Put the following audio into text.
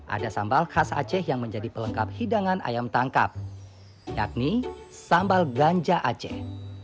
ada sambal khas aceh yang menjadi pelengkap hidangan ayam tangkap yakni sambal ganja aceh